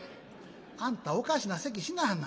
「あんたおかしなせきしなはんな。